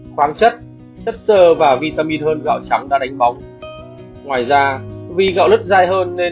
khoáng chất chất xơ và vitamin hơn gạo trắng đã đánh bóng ngoài ra vì gạo lứt dai hơn nên